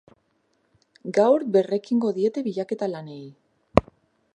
Gaur berrekingo diete bilaketa lanei.